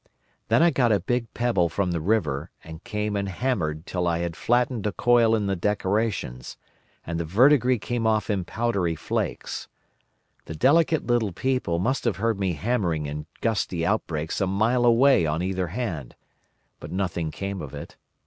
Then I got a big pebble from the river, and came and hammered till I had flattened a coil in the decorations, and the verdigris came off in powdery flakes. The delicate little people must have heard me hammering in gusty outbreaks a mile away on either hand, but nothing came of it.